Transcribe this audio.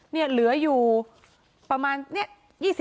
แล้วเหลืออยู่ประมาณ๒๐ชุด